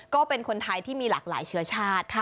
ก็เป็นคนไทยที่มีหลากหลายเชื้อชาติ